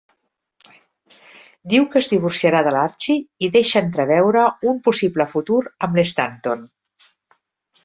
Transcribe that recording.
Diu que es divorciarà de l'Archie i deixa entreveure un possible futur amb l'Stanton.